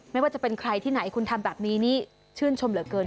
ไม่ว่าจะเป็นใครที่ไหนคุณทำแบบนี้นี่ชื่นชมเหลือเกิน